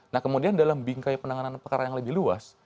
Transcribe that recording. nah kemudian dalam bingkai penanganan perkara yang lebih luas